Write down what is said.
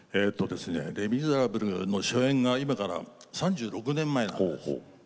「レ・ミゼラブル」の初演が今から３６年前なんです。